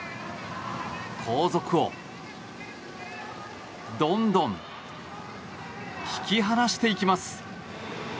後続をどんどん引き離していきます。